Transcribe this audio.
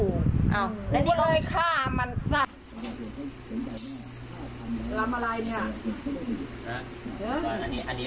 กูเลยฆ่ามันซะ